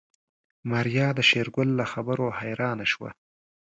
ماريا د شېرګل له خبرو حيرانه شوه.